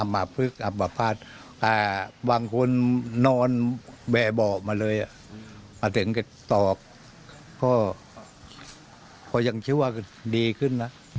อำมพลึกอำมพาตบางคนนอนแบบบอกมาเลยมาถึงก็ตอกก็ยังชื่อว่าดีขึ้นนะ